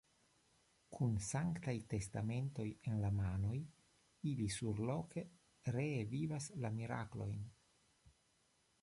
Kun sanktaj testamentoj en la manoj, ili surloke ree vivas la miraklojn.